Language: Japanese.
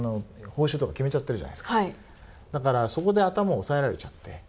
だからそこで頭を押さえられちゃって。